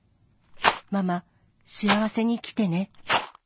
ママ、幸せに生きてね。